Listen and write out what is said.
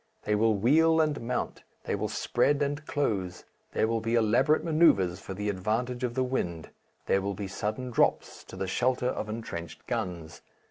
They will wheel and mount, they will spread and close, there will be elaborate manoeuvres for the advantage of the wind, there will be sudden drops to the shelter of entrenched guns.